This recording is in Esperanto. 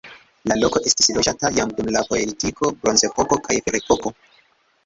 La loko estis loĝata jam dum la paleolitiko, bronzepoko kaj ferepoko.